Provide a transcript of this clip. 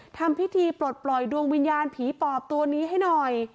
ทำพิธีปลดปล่อยดวงวิญญาณผีปอบตัวนี้ให้หน่อย